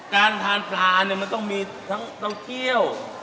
การทานปลาเนี่ยมันต้องมีทั้งเต้าเคี่ยว